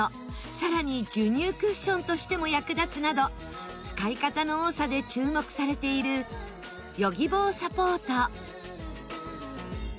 さらに授乳クッションとしても役立つなど使い方の多さで注目されているヨギボーサポート。